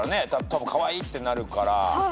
たぶんカワイイってなるから。